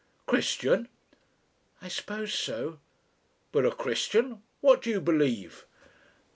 "Christian?" "I suppose so." "But a Christian What do you believe?"